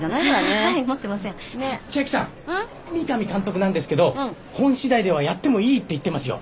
三上監督なんですけど本しだいではやってもいいって言ってますよ。